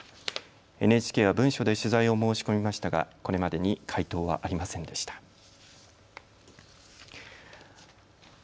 ＮＨＫは文書で取材を申し込みましたがこれまでに回答はありませんでした。